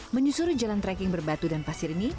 menyusuri jalan trekking berbatu dan pasir ini